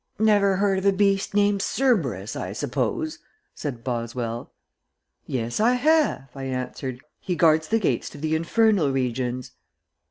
"Never heard of a beast named Cerberus, I suppose?" said Boswell. "Yes, I have," I answered. "He guards the gates to the infernal regions."